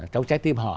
trong trái tim họ